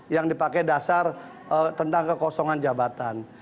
yang dipakai dasar tentang kekosongan jabatan